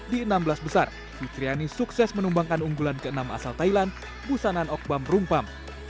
di enam belas besar fitriani sukses menumbangkan unggulan ke enam asal thailand busanan okbam rumpam